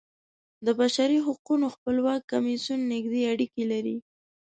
د بشري حقونو خپلواک کمیسیون نږدې اړیکې لري.